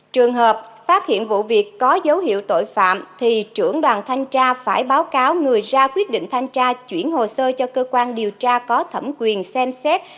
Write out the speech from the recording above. trường hợp phát hiện vụ việc có dấu hiệu tội phạm thì trưởng đoàn thanh tra phải báo cáo người ra quyết định thanh tra chuyển hồ sơ cho cơ quan điều tra có thẩm quyền xem xét